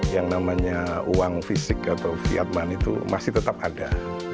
yang namanya uang fisik atau fiat money itu masih tetap ada